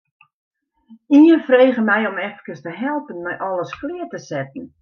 Ien frege my om efkes te helpen mei alles klear te setten.